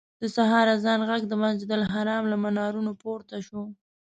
د سهار اذان غږ د مسجدالحرام له منارونو پورته شو.